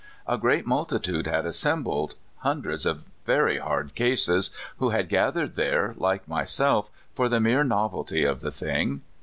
A great multitude had assembled hundreds of very hard cases, who had gathered there, like myself, for the mere novelty of the thing.